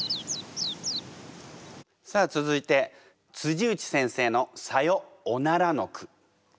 さあ続いて内先生の「さよおなら」の句こちらです。